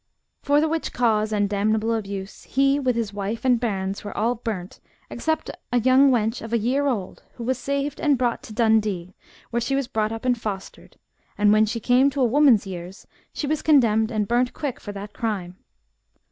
For the whilk cause and damnable abuse, he with his wife and bairns were all burnt, except ane young wench of a year old who FOLK LORE RELATING TO WERE WOLVES. 103 was saved and brought to Dundee, where she was brought up and fostered ; and when she came to a woman's years, she was condemned and burnt quick for that crime.